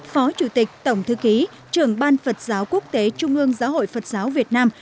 phó chủ tịch tổng thư ký trưởng ban phật giáo quốc tế trung ương giáo hội phật giáo việt nam